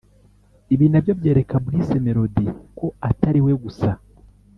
Ibi nabyo byereka Bruce Melodie ko atari we gusa